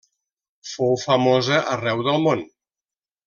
Fou famosa arreu del món.